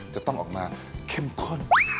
จะต้องออกมาเข้มข้น